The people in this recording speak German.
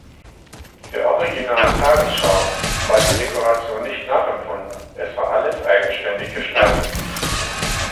Der originalen Tagesschau war die Dekoration nicht nachempfunden, es war alles eigenständig gestaltet.